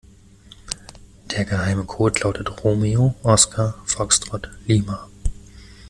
Der geheime Code lautet Romeo Oskar Foxtrott Lima.